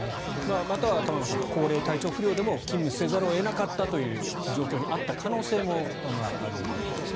玉川さん高齢、体調不良でも勤務せざるを得なかったという状況にあった可能性もあるわけですね。